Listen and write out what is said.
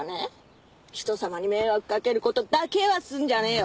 人様に迷惑かける事だけはすんじゃねえよ。